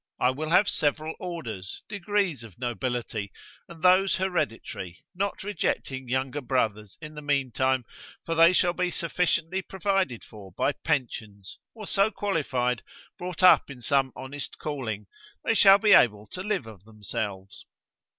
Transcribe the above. I will have several orders, degrees of nobility, and those hereditary, not rejecting younger brothers in the mean time, for they shall be sufficiently provided for by pensions, or so qualified, brought up in some honest calling, they shall be able to live of themselves.